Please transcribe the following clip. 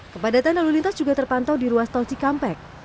kepadatan lalu lintas juga terpantau di ruas tol cikampek